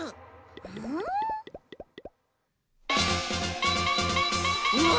うん？うわ！